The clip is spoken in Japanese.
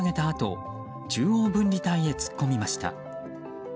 あと中央分離帯へ突っ込みました。